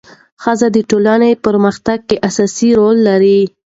ښځې د ټولنې په پرمختګ کې اساسي رول لري.